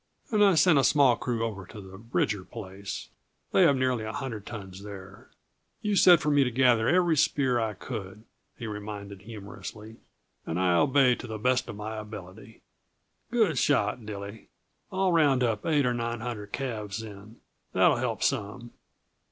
"And I sent a small crew over to the Bridger place; they have nearly a hundred tons there. You said for me to gather every spear I could," he reminded humorously, "and I obeyed to the best of my ability." "Good shot, Dilly. I'll round up eight or nine hundred calves, then; that'll help some.